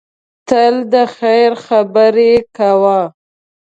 تل د خیر خبرې کوه.